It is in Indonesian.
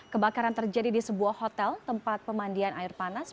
kebakaran terjadi di sebuah hotel tempat pemandian air panas